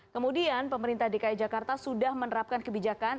kemudian pemerintah dki jakarta sudah menerapkan kebijakan